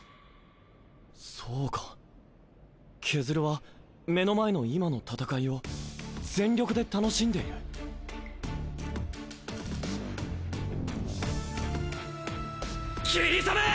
そうかケズルは目の前の今の戦いを全力で楽しんでいるキリサメぇ！